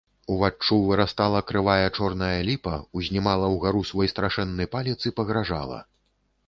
Уваччу вырастала крывая чорная ліпа, узнімала ўгару свой страшэнны палец і пагражала.